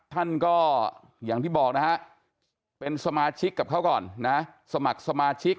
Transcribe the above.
ท่านก็อย่างที่บอกนะฮะเป็นสมาชิกกับเขาก่อนนะสมัครสมาชิก